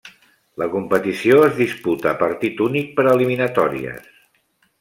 La competició es disputa a partit únic per eliminatòries.